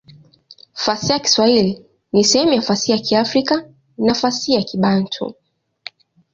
Fasihi ya Kiswahili ni sehemu ya fasihi ya Kiafrika na fasihi ya Kibantu.